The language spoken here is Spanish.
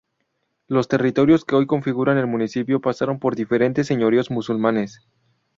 Los territorios que hoy configuran el municipio pasaron por diferentes señoríos musulmanes.